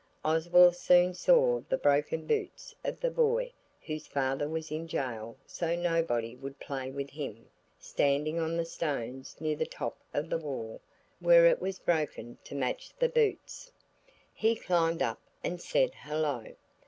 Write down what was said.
Oswald soon saw the broken boots of the boy whose father was in jail so nobody would play with him, standing on the stones near the top of the wall where it was broken to match the boots. He climbed up and said, "Hullo!"